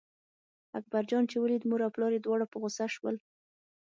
اکبر جان چې ولیدل مور او پلار یې دواړه سره په غوسه شول.